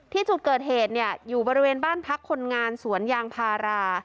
ที่จุดเกิดเหตุเนี่ยอยู่บริเวณบ้านพักคนงานสวนยางพารา